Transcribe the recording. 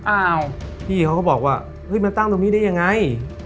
อ้าวพี่เขาก็บอกว่าเฮ้ยมาตั้งตรงนี้ได้ยังไง